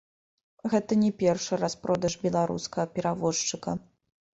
Гэта не першы распродаж беларускага перавозчыка.